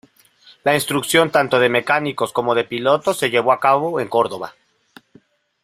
La instrucción tanto de mecánicos como de pilotos se llevó a cabo en Córdoba.